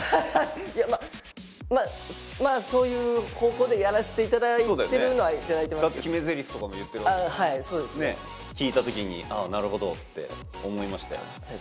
いやまあそういう方向でやらせていただいてるのはだって決めゼリフとかも言ってるわけじゃん聴いたときになるほどって思いましたよ